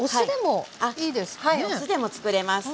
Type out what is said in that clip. お酢でもつくれます。